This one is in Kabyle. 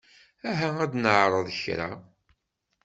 Aha ad neɛreḍ kra.